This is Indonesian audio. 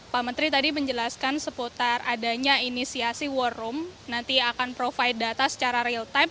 pak menteri tadi menjelaskan seputar adanya inisiasi war room nanti akan provide data secara real time